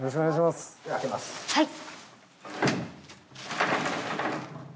はい！